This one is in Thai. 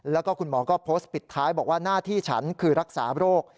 แล้วก็คุณหมอก็โพสต์ปิดท้ายบอกว่าหน้าที่ฉันคือรักษาโรค